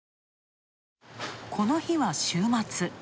この日は週末。